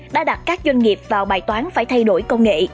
đã đặt các doanh nghiệp vào bài toán phải thay đổi công nghệ